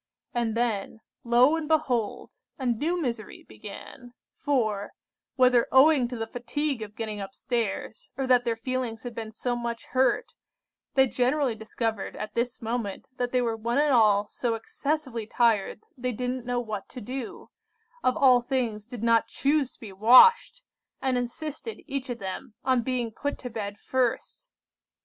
And then, lo and behold! a new misery began, for, whether owing to the fatigue of getting up stairs, or that their feelings had been so much hurt, they generally discovered at this moment that they were one and all so excessively tired, they didn't know what to do;—of all things, did not choose to be washed—and insisted, each of them, on being put to bed first!